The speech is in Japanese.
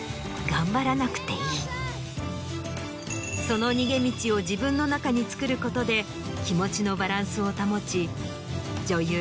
その逃げ道を自分の中に作ることで気持ちのバランスを保ち女優